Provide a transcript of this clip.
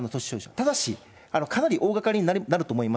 ただし、かなり大がかりになると思います。